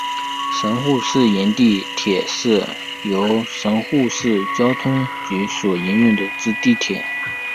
神户市营地铁是由神户市交通局所营运之地铁。